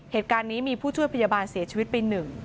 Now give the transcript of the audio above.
เหตุการณ์นี้มีผู้ช่วยพยาบาลเสียชีวิตไป๑